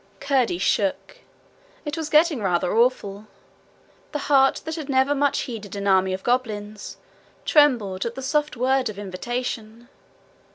Curdie shook. It was getting rather awful. The heart that had never much heeded an army of goblins trembled at the soft word of invitation.